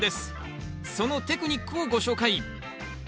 そのテクニックをご紹介。